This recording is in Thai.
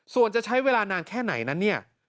ส่วนจะใช้เวลานานแค่ไหนนั้นเนี่ย